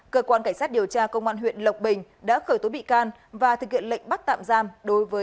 cơ quan cảnh sát điều tra công an huyện lộc bình đã khởi tố bị can và thực hiện lệnh bắt tạm giam đối với hà văn tị